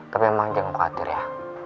tapi memang jangan khawatir ya